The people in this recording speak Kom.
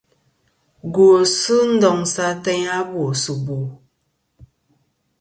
Gwosɨ ndoŋsɨ ateyn a bòsɨ bò.